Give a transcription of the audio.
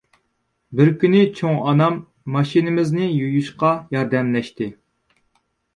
بىر كۈنى چوڭ ئانام ماشىنىمىزنى يۇيۇشقا ياردەملەشتى.